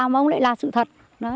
mà ông lại là sự thật